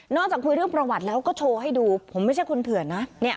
จากคุยเรื่องประวัติแล้วก็โชว์ให้ดูผมไม่ใช่คนเถื่อนนะ